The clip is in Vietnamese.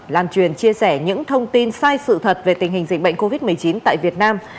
lan truyền chia sẻ những thông tin sai sự thật về tình hình dịch bệnh covid một mươi chín tại việt nam